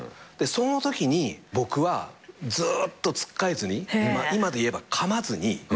そのときに僕はずーっとつっかえずに今でいえばかまずに。